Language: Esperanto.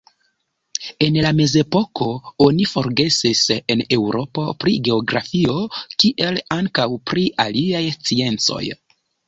En la mezepoko oni forgesis en Eŭropo pri geografio, kiel ankaŭ pri aliaj sciencoj.